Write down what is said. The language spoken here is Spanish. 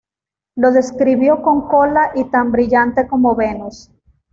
Lo describió con cola y tan brillante como Venus.